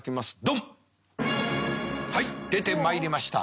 はい出てまいりました。